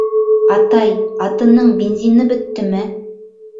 — Атай, атының бензины бөттөмө?